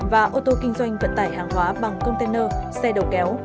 và ô tô kinh doanh vận tải hàng hóa bằng container